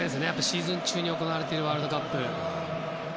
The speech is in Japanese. シーズン中に行われているワールドカップ。